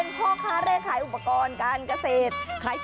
มอลำคลายเสียงมาแล้วมอลำคลายเสียงมาแล้ว